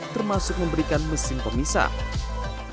termasuk memberikan mesin pemisah